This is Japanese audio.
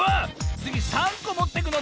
つぎ３こもってくの？